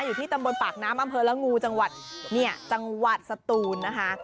อยู่ที่ตำบลปากน้ำอำเภอรังงูจังหวัดสตูน